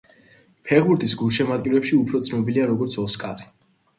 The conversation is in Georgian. ფეხბურთის გულშემატკივრებში უფრო ცნობილია როგორც ოსკარი.